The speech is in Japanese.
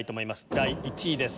第１位です。